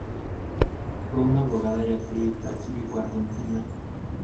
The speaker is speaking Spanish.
Fue una abogada y activista cívico argentina.